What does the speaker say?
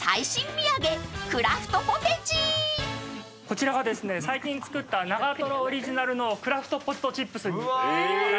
こちらがですね最近作った長瀞オリジナルのクラフトポテトチップスになります。